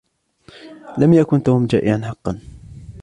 لم يكن توم جائعا حقا.